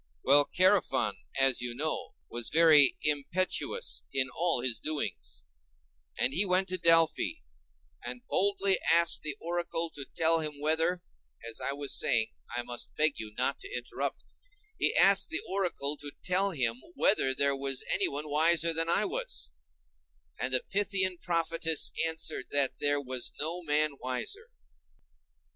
Well, Chærephon, as you know, was very impetuous in all his doings, and he went to Delphi and boldly asked the oracle to tell him whether—as I was saying, I must beg you not to interrupt—he asked the oracle to tell him whether there was anyone wiser than I was, and the Pythian prophetess answered that there was no man wiser.